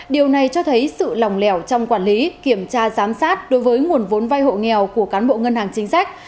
điều này cho thấy sự lòng lẻo trong quản lý kiểm tra giám sát đối với nguồn vốn vai hộ nghèo của cán bộ ngân hàng chính sách